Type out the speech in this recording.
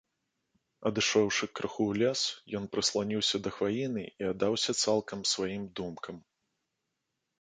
Адышоўшы крыху ў лес, ён прысланіўся да хваіны і аддаўся цалкам сваім думкам.